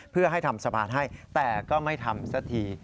เพื่อให้ทำสะพานให้แต่ก็ไม่ทำสักที